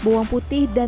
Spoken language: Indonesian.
bawang putih dan kacang